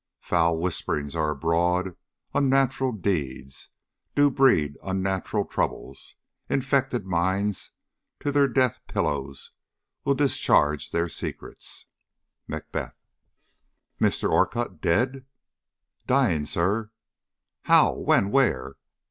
Foul whisperings are abroad; unnatural deeds Do breed unnatural troubles; infected minds To their deaf pillows will discharge their secrets. MACBETH. "MR. ORCUTT dead?" "Dying, sir." "How, when, where?"